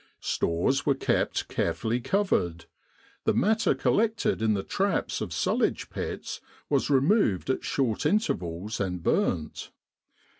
Stores were kept carefully covered. The matter collected in the traps <# sullage pits was re moved at short intervals and burnt.